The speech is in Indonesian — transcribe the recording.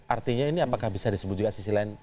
artinya ini apakah bisa disebut juga sisi lain